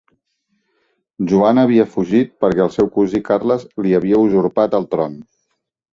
Joana havia fugit perquè el seu cosí, Carles, li havia usurpat el tron.